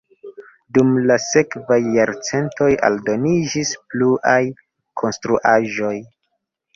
Dum la sekvaj jarcentoj aldoniĝis pluaj konstruaĵoj.